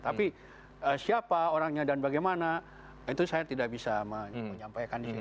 tapi siapa orangnya dan bagaimana itu saya tidak bisa menyampaikan di sini